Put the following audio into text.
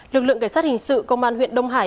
lực lượng cảnh sát hình sự công an huyện đông hải